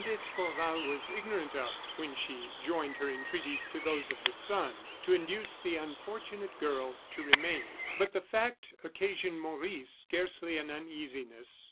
d'Escorval was ignorant of when she joined her entreaties to those of her son to induce the unfortunate girl to remain. But the fact occasioned Maurice scarcely an uneasiness.